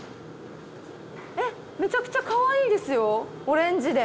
えっめちゃくちゃかわいいですよオレンジで。